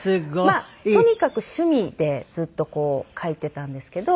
まあとにかく趣味でずっと書いていたんですけど。